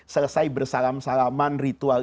selesai bersalam salaman ritual